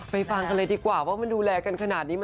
ฟังกันเลยดีกว่าว่ามันดูแลกันขนาดนี้